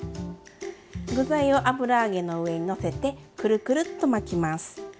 具材を油揚げの上にのせてクルクルッと巻きます。